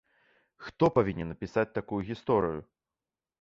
Хто павінен напісаць такую гісторыю?